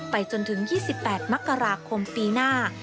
จนถึง๒๘มกราคมปีหน้า